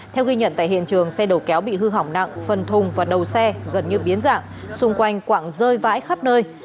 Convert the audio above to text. theo ghi nhận tại hiện trường xe đầu kéo bị hư hỏng nặng phần thùng và đầu xe gần như biến dạng xung quanh quạng rơi vãi khắp nơi